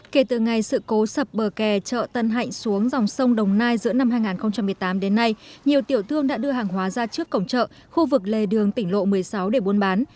kể từ ngày sự cố sập bờ kè chợ tân hạnh xuống dòng sông đồng nai giữa năm hai nghìn một mươi tám đến nay nhiều tiểu thương đã đưa hàng hóa ra trước cổng chợ khu vực lề đường tỉnh lộ một mươi sáu để buôn bán